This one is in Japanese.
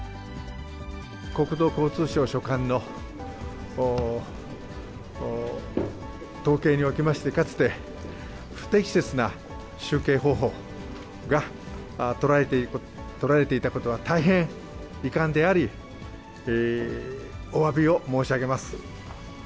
国土交通省所管の統計におきまして、かつて不適切な集計方法が取られていたことは、大変遺憾であり、おわびを申し上げます。